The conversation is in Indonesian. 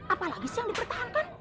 apalagi sih yang dipertahankan